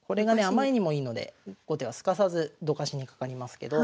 あまりにもいいので後手はすかさずどかしにかかりますけど。